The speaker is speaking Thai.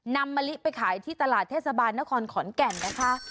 มะลิไปขายที่ตลาดเทศบาลนครขอนแก่นนะคะ